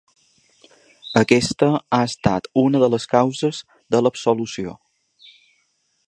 Aquesta ha estat una de les causes de l’absolució.